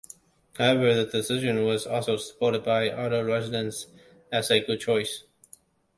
However, the decision was also supported by other residents as a good choice.